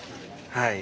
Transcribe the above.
はい。